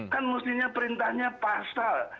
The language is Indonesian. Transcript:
kan mestinya perintahnya pasal